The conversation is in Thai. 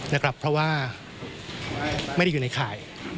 นะครับเพราะว่าไม่ได้อยู่ในข่าย